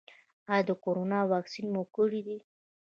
ایا د کرونا واکسین مو کړی دی؟